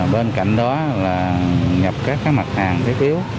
bên cạnh đó là nhập các mặt hàng thiết yếu